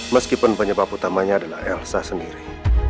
meskipun penyebab utamanya adalah elsa sendiri